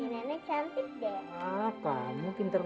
nenek baik banget